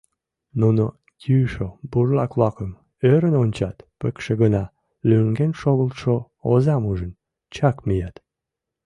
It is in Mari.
Нуно йӱшӧ бурлак-влакым ӧрын ончат, пыкше гына лӱҥген шогылтшо озам ужын, чак мият.